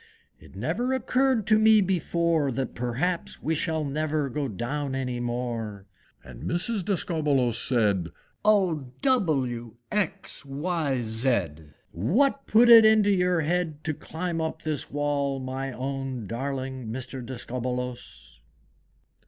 It never occurred to me before, That perhaps we shall never go down any more!" And Mrs. Discobbolos said, "Oh! W! X! Y! Z! What put it into your head To climb up this wall, my own Darling Mr. Discobbolos?"